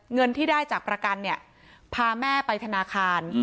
เงินที่ได้จากประกันเนี่ยพาแม่ไปธนาคาร